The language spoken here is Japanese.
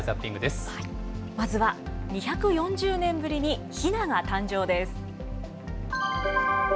まずは、２４０年ぶりにひなが誕生です。